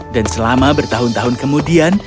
dan selama bertahun tahun kemudian